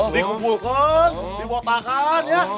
dikumpulkan dibotakan ya